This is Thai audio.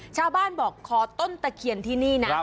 ชาวบ้านบอกขอต้นตะเคียนที่นี่นะ